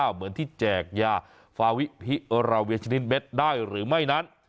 เหมือนที่แจกยาฟาวิพิราเวียชนิดเม็ดได้หรือไม่นั้น